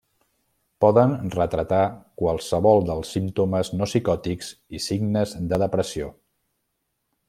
Poden retratar qualsevol dels símptomes no psicòtics i signes de depressió.